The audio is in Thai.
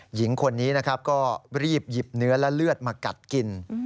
หญิงคนนี้นะครับก็รีบหยิบเนื้อและเลือดมากัดกิน